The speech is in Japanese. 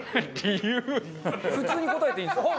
普通に答えていいんですか？